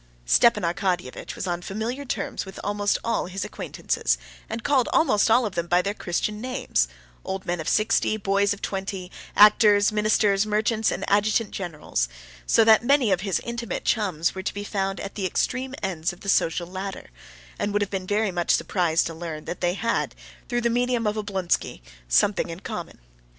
Stepan Arkadyevitch was on familiar terms with almost all his acquaintances, and called almost all of them by their Christian names: old men of sixty, boys of twenty, actors, ministers, merchants, and adjutant generals, so that many of his intimate chums were to be found at the extreme ends of the social ladder, and would have been very much surprised to learn that they had, through the medium of Oblonsky, something in common.